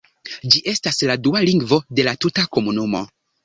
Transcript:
Ĝi estas la dua lingvo de la tuta komunumo.